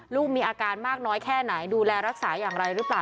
ลูกมีอาการมากน้อยแค่ไหนดูแลรักษาอย่างไรหรือเปล่า